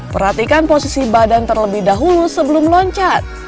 perhatikan posisi badan terlebih dahulu sebelum loncat